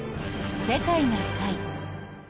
「世界な会」。